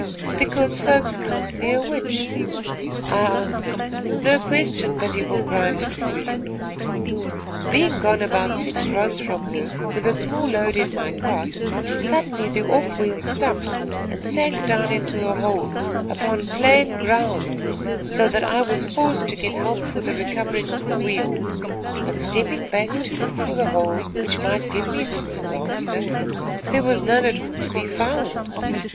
"'Because folks count me a witch.' "I answered: "'No question but he will grind for you.' "Being gone about six rods from her, with a small load in my cart, suddenly the off wheel stumped and sank down into a hole, upon plain ground, so that I was forced to get help for the recovering of the wheel; but, stepping back to look for the hole which might give me this disaster, there was none at all to be found.